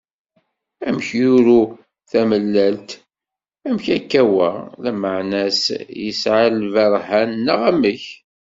Amek! yuru tamellalt, amek akka wa? Lmeɛna-s yesɛa lberhan neɣ amek?